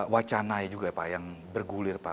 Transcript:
wacana juga ya pak yang bergulir pak